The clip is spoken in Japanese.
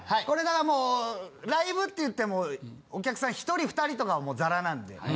これがもうライブって言ってもお客さん１人２人とかはざらなんで。